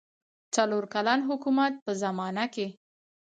څلور کلن حکومت په زمانه کې.